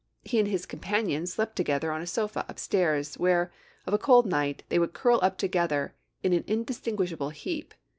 He and his companions slept together on a sofa upstairs, where, of a cold night, they would curl up together in an indistinguishable heap.